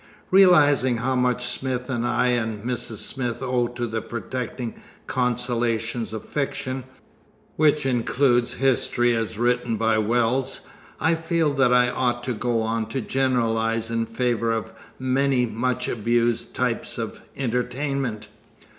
Realizing how much Smith and I and Mrs. Smith owe to the protecting consolations of fiction, which includes history as written by Wells, I feel that I ought to go on to generalize in favor of many much abused types of entertainment.